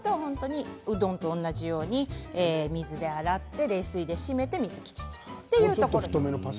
うどんと同じように水で洗って冷水で締めて水切りするということです。